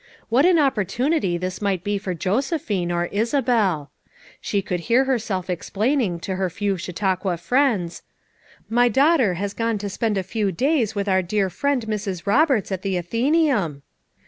What an opportunity this might be for Josephine, or Isabel! she could hear herself explaining to her few Chautauqua acquaintances: "My daughter has gone to spend a few days with our dear friend Mrs. Roberts at the Atheneum.